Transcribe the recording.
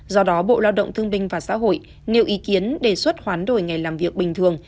do đó bộ lao động thương binh và xã hội nêu ý kiến đề xuất hoán đổi ngày làm việc bình thường